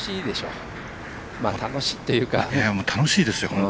楽しいですよ。